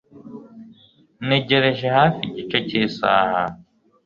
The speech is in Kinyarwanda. Ntegereje hafi igice cy'isaha.